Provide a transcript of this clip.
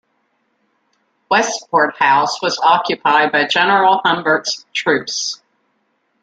Westport House was occupied by General Humbert's troops.